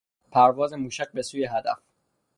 پرواز موشک به سوی هدف